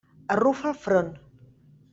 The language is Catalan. Arrufa el front.